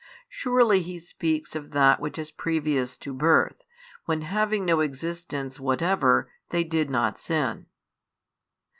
|3 Surely He speaks of that which is previous to birth, when having no existence whatever, they did not sin.